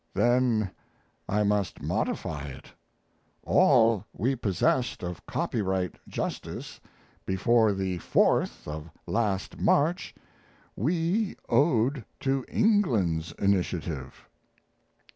Then I must modify it: all we possessed of copyright justice before the 4th of last March we owed to England's initiative.